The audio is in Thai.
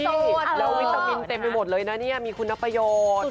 นี่แล้ววิตามินเต็มไปหมดเลยนะเนี่ยมีคุณประโยชน์